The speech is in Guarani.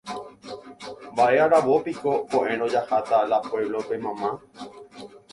Mba'e aravópiko ko'ẽrõ jaháta la pueblope mama.